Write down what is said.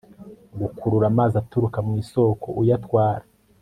gukurura amazi aturuka mu isoko uyatwara